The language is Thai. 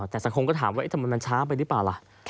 แต่สังคมก็ถามว่าทำไมมันช้าไปหรือเปล่าล่ะ